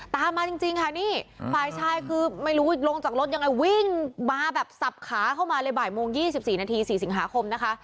ตามมาจริงค่ะนี่ฝ่ายชายคือไม่รู้ลงจากรถยังไงวิ่งมาแบบสับขาเข้ามาเลยบ่ายโมง๒๔นาที๔สิงหาคมนะคะ